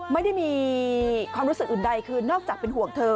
ไม่ได้มีความรู้สึกอื่นใดคือนอกจากเป็นห่วงเธอ